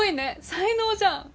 才能じゃん！